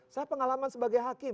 saya pengalaman sebagai hakim